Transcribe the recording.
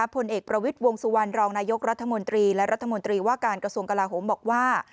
ผลเอกประวิทบริษฐ์วงศวร์รองนายกรัฐมนตรีและกระทำกราหมบอกว่า